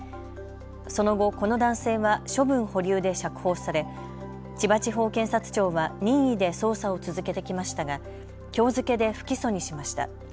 その後、この男性は処分保留で釈放され千葉地方検察庁は任意で捜査を続けてきましたがきょう付けで不起訴にしました。